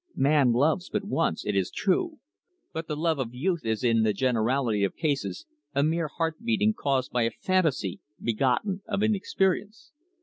Man loves but once, it is true, but the love of youth is in the generality of cases a mere heart beating caused by a fantasy begotten of inexperience.